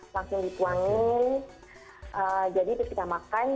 langsung dituangin jadi terus kita makan